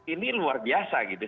ini luar biasa gitu